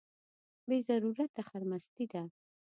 بې ضرورته خرمستي ده.